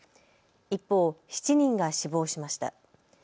一方、７人が死亡しました。